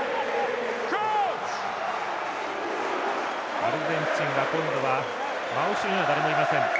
アルゼンチンは今度は真後ろには誰もいません。